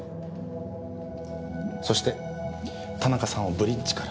そして田中さんをブリッジから。